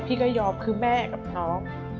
พี่ก็ยอมคือแม่กับน้อง